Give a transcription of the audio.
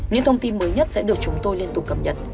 những thông tin mới nhất sẽ được chúng tôi liên tục cập nhật